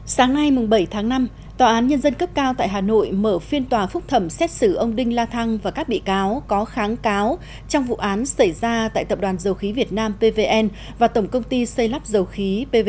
sáng nay bảy tháng năm tòa án nhân dân cấp cao tại hà nội mở phiên tòa phúc thẩm xét xử ông đinh la thăng và các bị cáo có kháng cáo trong vụ án xảy ra tại tập đoàn dầu khí việt nam pvn và tổng công ty xây lắp dầu khí pv